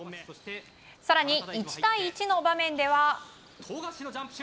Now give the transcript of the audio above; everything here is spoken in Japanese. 更に、１対１の場面では。